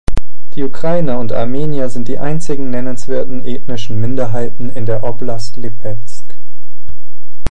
Die Ukrainer und Armenier sind die einzigen nennenswerten ethnischen Minderheiten in der Oblast Lipezk.